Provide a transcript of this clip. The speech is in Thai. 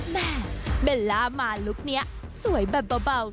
แม่เบลล่ามาลุคนี้สวยแบบเบา